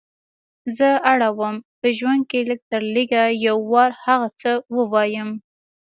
زه اړه وم په ژوند کې لږ تر لږه یو وار هغه څه ووایم.